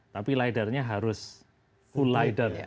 tapi lidarnya harus full lidar